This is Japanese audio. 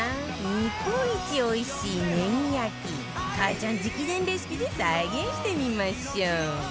日本一おいしいネギ焼きかあちゃん直伝レシピで再現してみましょう